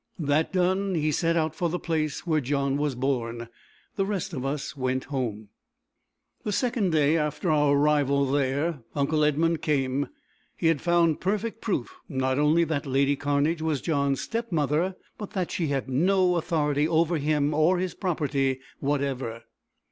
That done, he set out for the place where John was born. The rest of us went home. The second day after our arrival there, uncle Edmund came. He had found perfect proof, not only that lady Cairnedge was John's step mother, but that she had no authority over him or his property whatever.